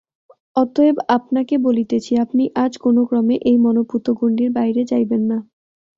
অতএব আপনাকে বলিতেছি, আপনি আজ কোনক্রমে এই মন্ত্রপূত গণ্ডীর বাহিরে যাইবেন না।